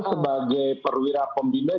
sebagai perwira pembina